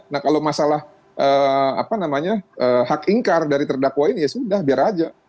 nah kalau masalah hak ingkar dari terdakwain ya sudah biar aja